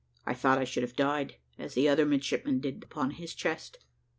I thought I should have died, as the other midshipman did upon his chest.